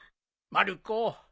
まる子。